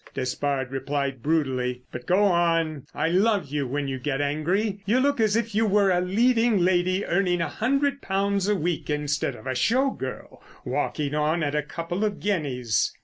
Despard replied brutally. "But, go on, I love you when you get angry. You look as if you were a leading lady earning a hundred pounds a week instead of a show girl walking on at a couple of guineas."